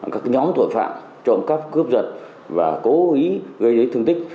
các nhóm tội phạm trộm cắp cướp giật và cố ý gây thương tích